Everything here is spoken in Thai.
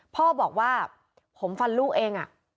พ่อบอกว่าผมฟันลูกเอง